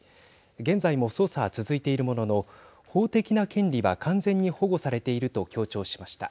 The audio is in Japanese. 現在も捜査は続いているものの法的な権利は完全に保護されていると強調しました。